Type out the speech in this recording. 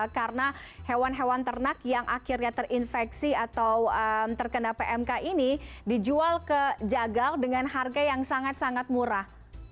karena hewan hewan ternak yang akhirnya terinfeksi atau terkena pmk ini dijual ke jagal dengan harga yang sangat sangat murah